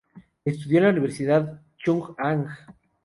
Estudió en la Universidad Chung-Ang.